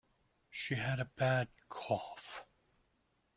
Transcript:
She had a bad cough.